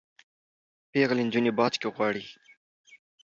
پیغلي نجوني باج کي غواړي